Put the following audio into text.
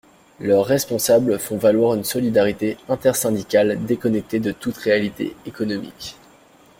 Leurs responsables font valoir une solidarité intersyndicale déconnectée de toute réalité économique.